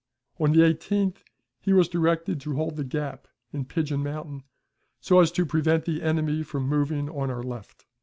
On the 18th he was directed to hold the gap in Pigeon Mountain, so as to prevent the enemy from moving on our left.